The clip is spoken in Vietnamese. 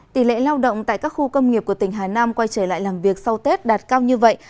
tỷ lệ lao động tại các khu công nghiệp của tỉnh hà nam quay trở lại làm việc sau tết đạt cao như vậy